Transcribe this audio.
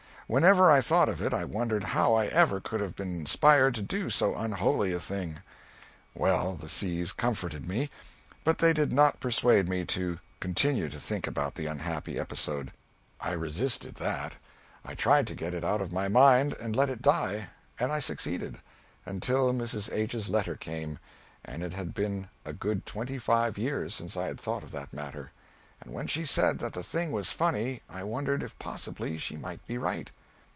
Whenever I thought of it I wondered how I ever could have been inspired to do so unholy a thing. Well, the C.'s comforted me, but they did not persuade me to continue to think about the unhappy episode. I resisted that. I tried to get it out of my mind, and let it die, and I succeeded. Until Mrs. H.'s letter came, it had been a good twenty five years since I had thought of that matter; and when she said that the thing was funny I wondered if possibly she might be right.